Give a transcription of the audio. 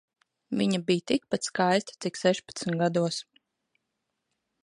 Viņa bija tikpat skaista cik sešpadsmit gados.